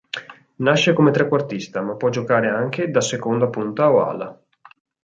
Nasce come trequartista, ma può giocare anche da seconda punta o ala.